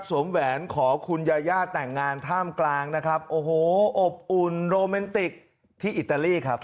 แหวนขอคุณยาย่าแต่งงานท่ามกลางนะครับโอ้โหอบอุ่นโรแมนติกที่อิตาลีครับ